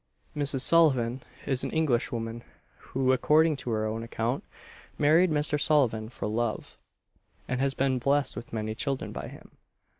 Mrs. Sullivan is an Englishwoman, who, according to her own account, married Mr. Sullivan for love, and has been "blessed with many children by him."